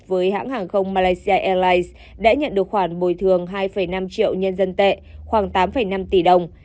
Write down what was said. với hãng hàng không malaysia airlines đã nhận được khoản bồi thường hai năm triệu nhân dân tệ khoảng tám năm tỷ đồng